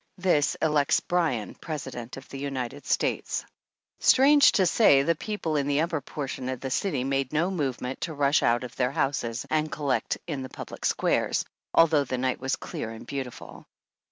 This elects Bryan President of the United States !" Strange to say, the people in the upper portion of the city made no movement to rush out of their houses and collect in the public squares, although the night was clear and beautiful.